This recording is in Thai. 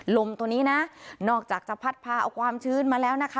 ลมตัวนี้นะนอกจากจะพัดพาเอาความชื้นมาแล้วนะคะ